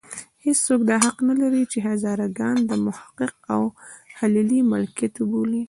هېڅوک دا حق نه لري چې هزاره ګان د محقق او خلیلي ملکیت وبولي.